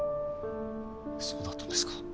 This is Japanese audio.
そうだったんですか。